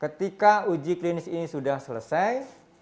ketika uji klinis ini sudah selesai